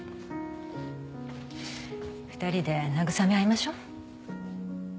２人で慰め合いましょう。